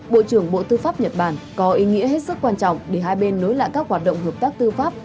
bộ trưởng bộ tư pháp nhật bản có ý nghĩa hết sức quan trọng để hai bên nối lại các hoạt động hợp tác tư pháp